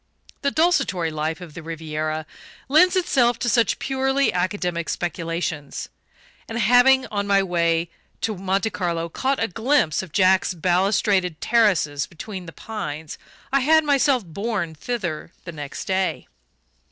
The desultory life of the Riviera lends itself to such purely academic speculations; and having, on my way to Monte Carlo, caught a glimpse of Jack's balustraded terraces between the pines, I had myself borne thither the next day.